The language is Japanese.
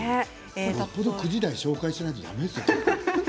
よっぽど９時台紹介しないとだめですよ。